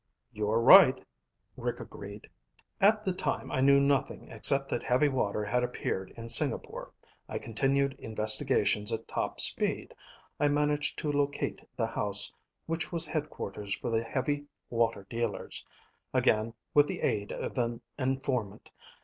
"You're right," Rick agreed. "At the time I knew nothing except that heavy water had appeared in Singapore. I continued investigations at top speed. I managed to locate the house which was headquarters for the heavy water dealers, again with the aid of an informant.